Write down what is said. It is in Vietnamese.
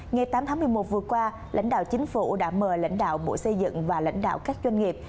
ngày tám tháng một mươi một vừa qua lãnh đạo chính phủ đã mời lãnh đạo bộ xây dựng và lãnh đạo các doanh nghiệp